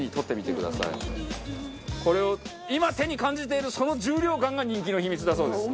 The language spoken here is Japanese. これを今手に感じているその重量感が人気の秘密だそうです。